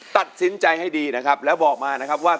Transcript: ตัดสินใจให้ดีนะครับแล้วบอกมานะครับว่า